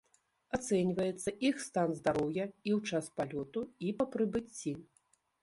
Ацэньваецца іх стан здароўя і ў час палёту, і па прыбыцці.